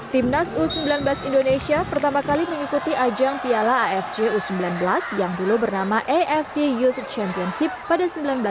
timnas u sembilan belas indonesia pertama kali mengikuti ajang piala afc u sembilan belas yang dulu bernama afc youth championship pada seribu sembilan ratus sembilan puluh